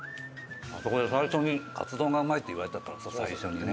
あそこで最初にカツ丼がうまいって言われたからさ最初にね。